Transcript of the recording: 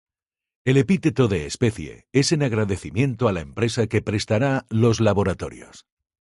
El epíteto de especie es en agradecimiento a la empresa que prestara los laboratorios.